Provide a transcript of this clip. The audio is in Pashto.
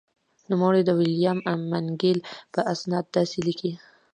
نوموړی د ویلیام مکنیل په استناد داسې لیکي.